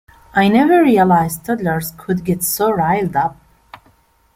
I never realized toddlers could get so riled up.